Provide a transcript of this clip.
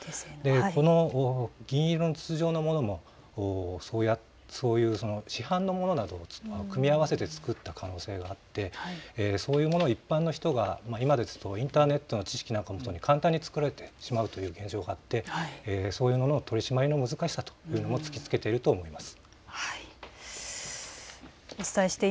この銀色の筒状のものもそういう市販のものを組み合わせて作った可能性があってそういうものを一般の人が今ですとインターネットの知識なんかで簡単に作れてしまうというところがあって、そういうものの取締りの難しさというものを突きつけていると思います。